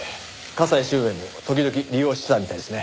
加西周明も時々利用してたみたいですね。